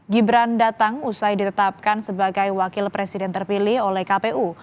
gibran datang usai ditetapkan sebagai wakil presiden terpilih oleh kpu